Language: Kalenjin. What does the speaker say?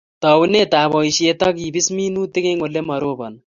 Taunetan boisiet ak kebis minutik eng Ole maroboni